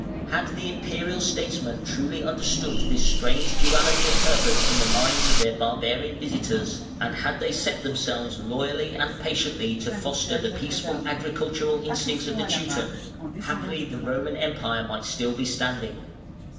Had the Imperial statesmen truly understood this strange duality of purpose in the minds of their barbarian visitors, and had they set themselves loyally and patiently to foster the peaceful agricultural instincts of the Teuton, haply the Roman Empire might still be standing.